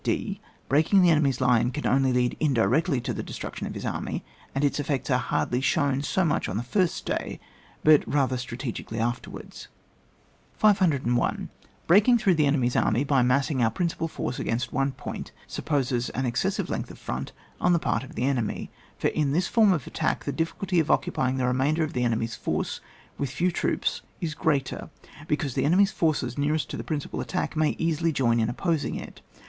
d. Breaking the enemy's line can only lead indirectly to the destruction of his army, and its effects are hardly shown so much on the first day, but rather strategically afterwards. 501 . The breaking through the enemy's army by massing our principal force against one point, supposes an excessive length of front on the part of the enemy ; for in this form of attack the difficulty of occupying the remainder of the enemy's force with few troops is greater, because the enemy's forces nearest to the princi pal attack may easily join in opposing it.